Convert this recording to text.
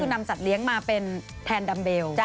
นำสัตว์เลี้ยงมาเป็นแทนดัมเบล